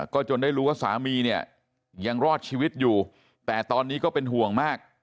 จนได้รู้ว่าสามีเนี่ยยังรอดชีวิตอยู่แต่ตอนนี้ก็เป็นห่วงมาก